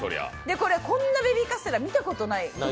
こんなベビーカステラ見たことない。